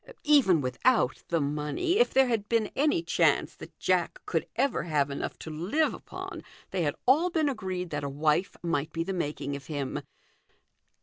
Even without the money, if there had been any chance that Jack could ever have enough to live upon, they had all been agreed that a wife might be the making of him.